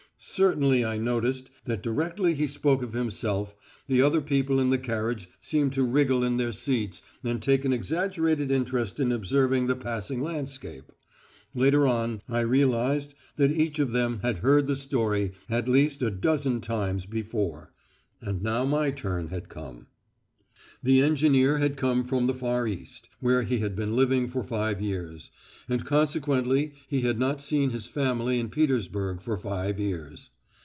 Certainly I noticed that directly he spoke of himself the other people in the carriage seemed to wriggle in their seats and take an exaggerated interest in observing the passing landscape. Later on, I realised that each of them had heard the story at least a dozen times before. And now my turn had come. The engineer had come from the Far East, where he had been living for five years, and consequently he had not seen his family in Petersburg for five years.